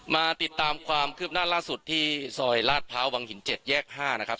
มาติดตามความคืบหน้าล่าสุดที่ซอยลาดพร้าววังหิน๗แยก๕นะครับ